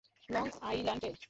Long Island A.